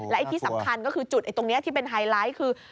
และที่สำคัญก็คือจุดตรงนี้ที่เป็นไฮไลท์คือ